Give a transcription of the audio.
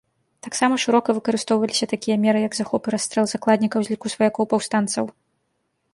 Таксама шырока выкарыстоўваліся такія меры, як захоп і расстрэл закладнікаў з ліку сваякоў паўстанцаў.